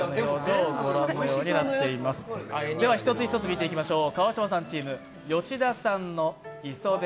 １つ１つ見ていきましょう。